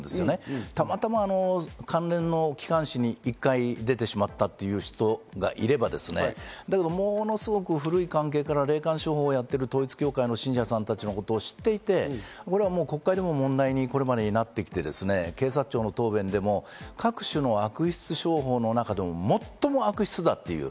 たまたま関連の機関紙に一回出てしまったという人がいればものすごく古い関係から霊感商法をやってる統一教会の信者さんたちのことを知っていて、国会でも問題にこれまでなってきて、警察庁の答弁でも各種の悪質商法の中でも最も悪質だという。